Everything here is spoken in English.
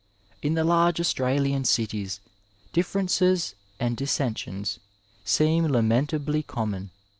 '' In the large Australian cities, differences and dissensions seem lamentably conmion.